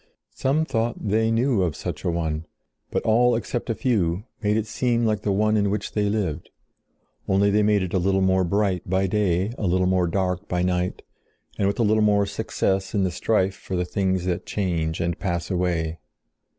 Some thought they knew of such a one; but all except a few made it seem like the one in which they lived—only they made it a little more bright by day, a little more dark by night, and with a little more success in the strife for the things that change and pass away.